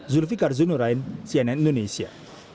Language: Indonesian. zulfiqar zunurain cnn indonesia